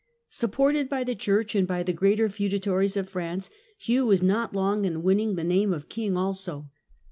Supported by the Church and by the greater feudatories of France, Hugh was not long in winning the name of king also.